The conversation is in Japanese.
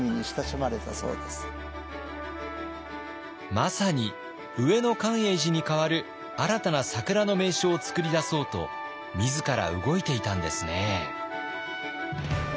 まさに上野寛永寺に代わる新たな桜の名所を作り出そうと自ら動いていたんですね。